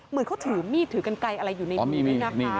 เหมือนเขาถือมีดถือกันไกลอะไรอยู่ในนี้นะคะ